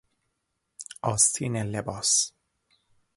آستین لباس